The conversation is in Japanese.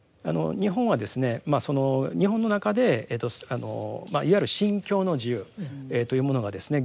日本はですねまあその日本の中でいわゆる信教の自由というものがですね